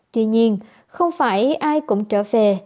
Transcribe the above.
tuy nhiên không phải ai cũng trở về